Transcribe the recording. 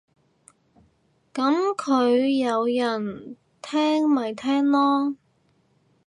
噉佢有人聽咪聽囉